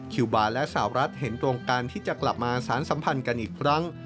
คิวบาร์และสาวรัฐเห็นตรงกันที่จะกลับมาสารสัมพันธ์กันอีกครั้ง